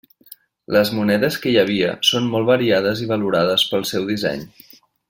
Les monedes que hi havia són molt variades i valorades pel seu disseny.